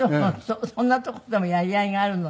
そんなとこでもやり合いがあるのね。